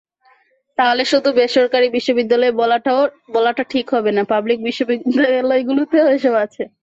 তাহলে শুধু বেসরকারি বিশ্ববিদ্যালয়ে বলাটা ঠিক হবে না, পাবলিক বিশ্ববিদ্যালয়গুলোতেও এসব আছে।